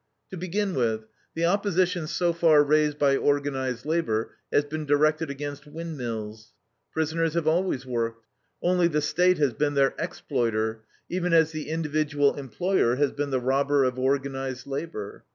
To begin with, the opposition so far raised by organized labor has been directed against windmills. Prisoners have always worked; only the State has been their exploiter, even as the individual employer has been the robber of organized labor.